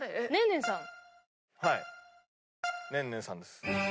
ねんねんさんです。